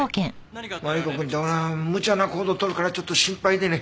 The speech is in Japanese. マリコくんってほら無茶な行動取るからちょっと心配でね。